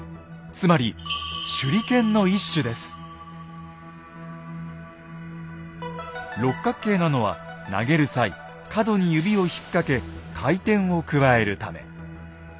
つまり六角形なのは投げる際角に指を引っ掛け回転を加えるため。